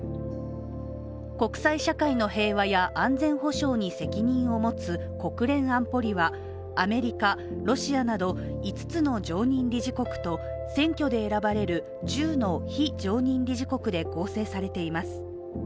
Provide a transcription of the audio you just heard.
国際社会の平和や安全保障に責任を持つ国連安保理はアメリカ、ロシアなど５つの常任理事国と選挙で選ばれる１０の非常任理事国で構成されています。